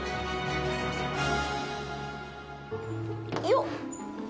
よっ！